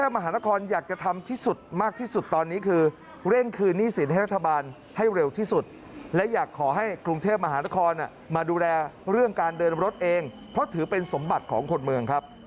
มาดูแลเรื่องการเดินรถเองเพราะถือเป็นสมบัติของคนเมืองครับ